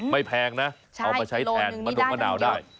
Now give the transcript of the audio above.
แพงนะเอามาใช้แทนมะดงมะนาวได้